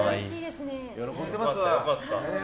喜んでますわ。